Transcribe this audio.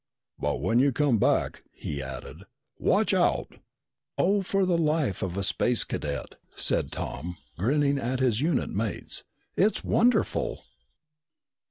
But when you come back," he added, "watch out!" "Oh, for the life of a Space Cadet!" said Tom, grinning at his unit mates. "It's wonderful!"